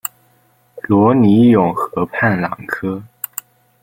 罗尼永河畔朗科。